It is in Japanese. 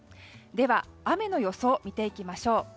では、雨の予想を見ていきましょう。